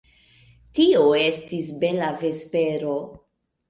Tio estis bela vespero.